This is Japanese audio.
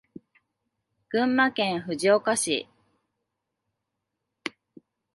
群馬県藤岡市